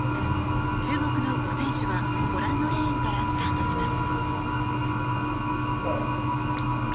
注目の５選手はご覧のレーンからスタートします。